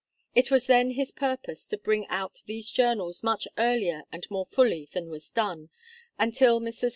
It was then his purpose to bring out these Journals much earlier and more fully than was done, until Messrs.